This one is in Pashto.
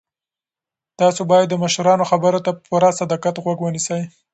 تاسو باید د مشرانو خبرو ته په پوره دقت غوږ ونیسئ.